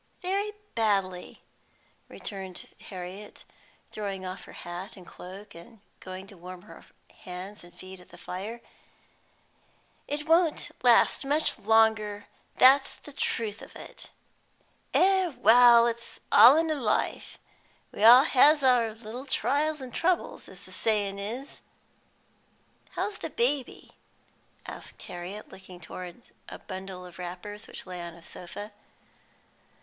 "Very badly," returned Harriet, throwing off her hat and cloak, and going to warm her hands and feet at the fire. "It won't last much longer, that's the truth of it." "Eh well, it's all in a life; we all has our little trials an' troubles, as the sayin' is." "How's the baby?" asked Harriet looking towards a bundle of wrappers which lay on a sofa.